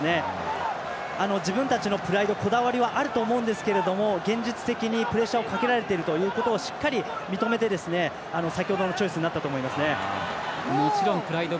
自分たちのプライドこだわりはあると思うんですが現実的にプレッシャーをかけられているということをしっかり認めて、先ほどのチョイスになったと思います。